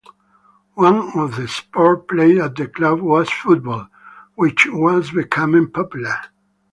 One of the sports played at the club was football, which was becoming popular.